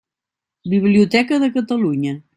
Biblioteca de Catalunya.